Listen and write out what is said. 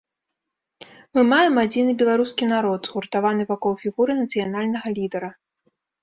Мы маем адзіны беларускі народ, згуртаваны вакол фігуры нацыянальнага лідара.